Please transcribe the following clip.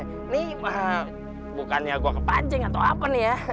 ini bukannya gue kepancing atau apa nih ya